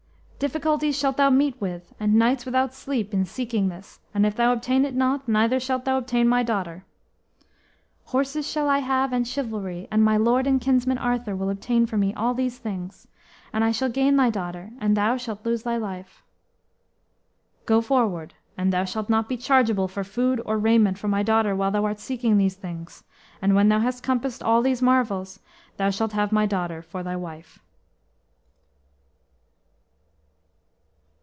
Difficulties shalt thou meet with, and nights without sleep, in seeking this, and if thou obtain it not, neither shalt thou obtain my daughter." "Horses shall I have, and chivalry; and my lord and kinsman, Arthur, will obtain for me all these things. And I shall gain thy daughter, and thou shalt lose thy life." "Go forward. And thou shalt not be chargeable for food or raiment for my daughter while thou art seeking these things; and when thou hast compassed all these marvels, thou shalt have my daughter for thy wife."